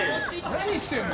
何してるの！